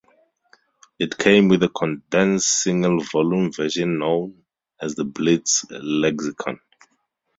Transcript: It came with a condensed single-volume version known as the "Blitz-Lexikon".